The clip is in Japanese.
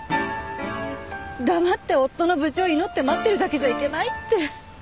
黙って夫の無事を祈って待ってるだけじゃいけないって。